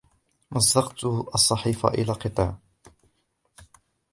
مزقت الصحيفة إلى قطع.